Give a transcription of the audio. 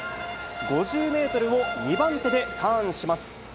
５０メートルを２番手でターンします。